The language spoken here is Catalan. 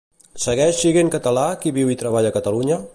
Segueix siguent català qui viu i treballa a Catalunya?